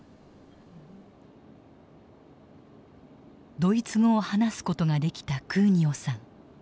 ドイツ語を話すことができたクーニオさん。